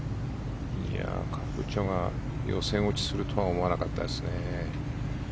カプチョが予選落ちするとは思わなかったですね。